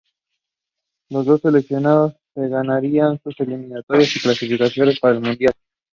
Las dos selecciones que ganarían sus eliminatorias se clasificaron para el mundial.